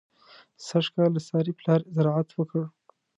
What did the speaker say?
سږ کال د سارې پلار زراعت وکړ.